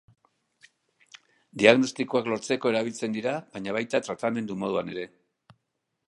Diagnostikoak lortzeko erabiltzen dira, baina baita tratamendu moduan ere.